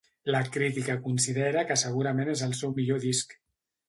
La crítica considera que segurament és el seu millor disc.